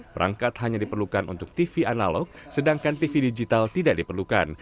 perangkat hanya diperlukan untuk tv analog sedangkan tv digital tidak diperlukan